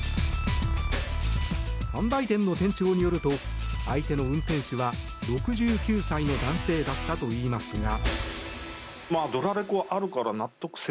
販売店の店長によると相手の運転手は６９歳の男性だったといいますが。